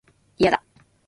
いやだ